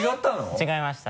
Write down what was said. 違いました。